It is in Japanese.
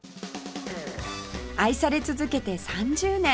愛され続けて３０年